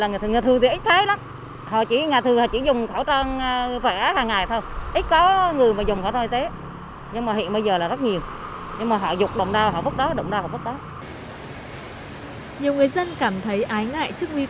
nhiều người dân cảm thấy ái ngại trước nguy cơ ô nhiễm môi trường và cả lây lan dịch bệnh